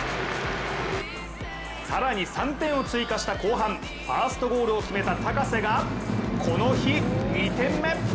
更に３点を追加した後半、ファーストゴールを決めた高瀬がこの日２点目。